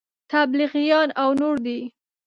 تبلیغیان او نور دي.